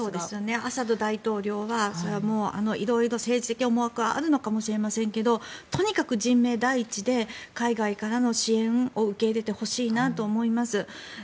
アサド大統領は色々、政治的思惑はあるのかもしれませんがとにかく人命第一で海外からの支援を受け入れてほしいなと思います。